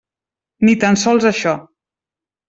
Ni tan sols això.